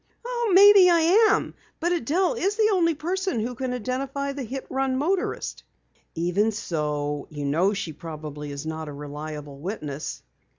"Maybe I am, but Adelle is the only person who can identify the hit run motorist." "Even so, you know she probably is not a reliable witness."